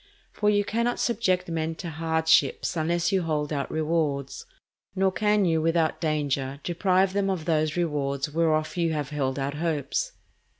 For you cannot subject men to hardships unless you hold out rewards, nor can you without danger deprive them of those rewards whereof you have held out hopes.